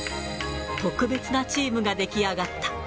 特別なチームが出来上がった。